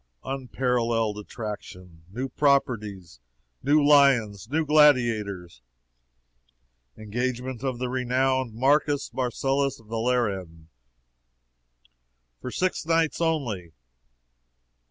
UNPARALLELED ATTRACTION! NEW PROPERTIES! NEW LIONS! NEW GLADIATORS! Engagement of the renowned MARCUS MARCELLUS VALERIAN! FOR SIX NIGHTS ONLY!